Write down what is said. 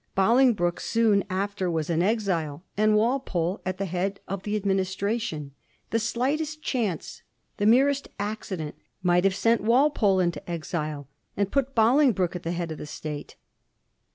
Bolingbroke soon after was in exile, and Walpole at the head of the administration. The slightest chance, the merest accident, might have sent Walpole into exile, and put Bolingbroke at the head of the state.